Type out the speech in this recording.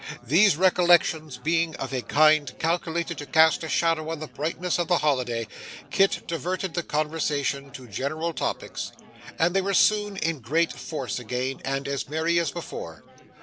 These recollections being of a kind calculated to cast a shadow on the brightness of the holiday, Kit diverted the conversation to general topics, and they were soon in great force again, and as merry as before.